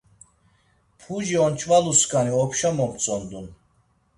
Puci onç̌valuskani opşa momtzondun.